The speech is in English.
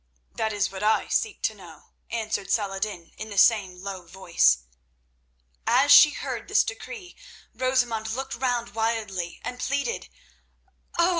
"That is what I seek to know," answered Saladin in the same low voice. As she heard this decree Rosamund looked round wildly and pleaded: "Oh!